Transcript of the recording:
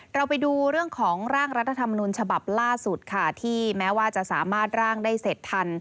เราไปดูเรื่องของร่างรัฐธรรมนุนฉบับล่าสุดค่ะที่แม้ว่าจะสามารถร่างได้เสร็จทัน